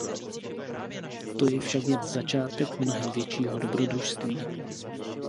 To je však jen začátek mnohem většího dobrodružství.